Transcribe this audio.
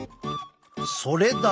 それだけ。